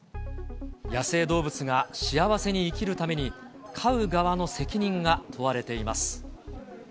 野生動物が幸せに生きるために、飼う側の責任が問われています。